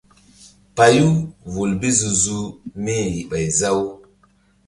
Payu vul bi zu-zuh mí-i yih ɓay za-u.